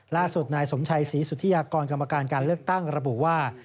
ล่าสุดนายสมชัยศรีสุธิยากรกรรมการการเลือกตั้งระบุว่า